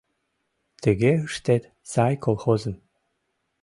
Тыге ыштет сай колхозым